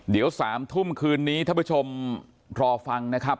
เดี๋ยว๓ทุ่มคืนนี้ท่านผู้ชมรอฟังนะครับ